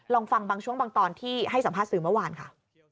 ลองฟังบางช่วงบางตอนที่ให้สัมภาษณ์สื่อเมื่อวานค่ะ